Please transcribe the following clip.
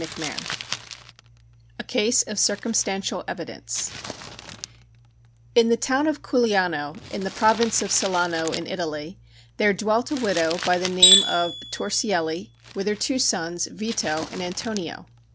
XI A Case of Circumstantial Evidence In the town of Culiano, in the province of Salano, in Italy, there dwelt a widow by the name of Torsielli, with her two sons, Vito and Antonio.